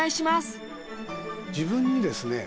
自分にですね